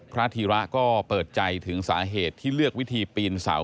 ธีระก็เปิดใจถึงสาเหตุที่เลือกวิธีปีนเสา